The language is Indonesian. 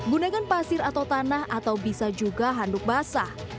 gunakan pasir atau tanah atau bisa juga handuk basah